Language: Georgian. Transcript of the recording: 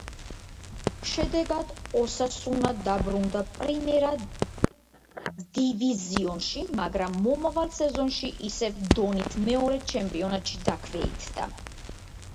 შედეგად „ოსასუნა“ დაბრუნდა პრიმერა დივიზიონში, მაგრამ მომავალ სეზონში ისევ დონით მეორე ჩემპიონატში დაქვეითდა.